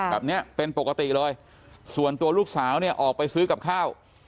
แบบนี้เป็นปกติเลยส่วนตัวลูกสาวเนี่ยออกไปซื้อกับข้าว